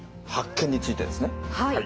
はい。